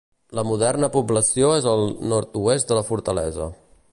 La moderna població és al nord-oest de la fortalesa.